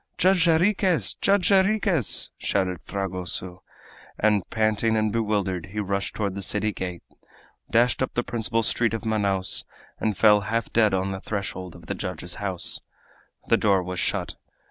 "Judge Jarriquez! Judge Jarriquez!" shouted Fragoso, and panting and bewildered he rushed toward the city gate, dashed up the principal street of Manaos, and fell half dead on the threshold of the judge's house. The door was shut.